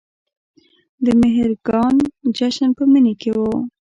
د مهرګان جشن په مني کې و